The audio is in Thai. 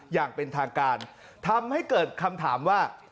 อย่างเป็นทางการทำให้เกิดคำถามว่า